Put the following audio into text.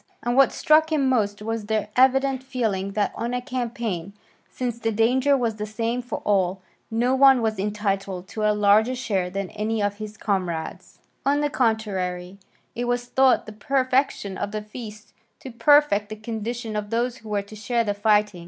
And what struck him most was their evident feeling that on a campaign, since the danger was the same for all, no one was entitled to a larger share than any of his comrades; on the contrary, it was thought the perfection of the feast to perfect the condition of those who were to share the fighting.